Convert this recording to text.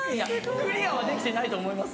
クリアできてないと思います。